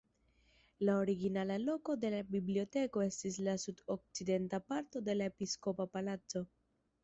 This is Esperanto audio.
La originala loko de la biblioteko estis la sud-okcidenta parto de la episkopa palaco.